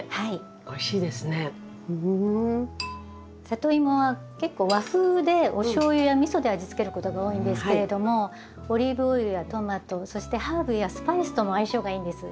サトイモは結構和風でおしょうゆやみそで味付けることが多いんですけれどもオリーブオイルやトマトそしてハーブやスパイスとも相性がいいんです。